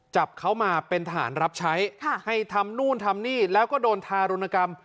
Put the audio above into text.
จับเขามาเป็นทหารรับใช้ให้ทำนู่นทำนี่แล้วก็โดนทารุณกรรม